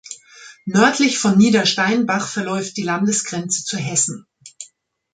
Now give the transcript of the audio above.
Nördlich von Niedersteinbach verläuft die Landesgrenze zu Hessen.